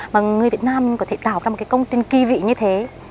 mà người việt nam có thể tạo ra một cái công trình kỳ vị như thế